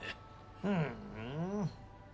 ふん。